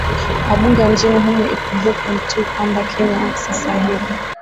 na wabunge wa nchini humu ikumbukwe tu kwamba kenya sasa hivi